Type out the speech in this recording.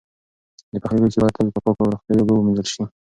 د پخلي لوښي باید تل په پاکو او روغتیایي اوبو ومینځل شي.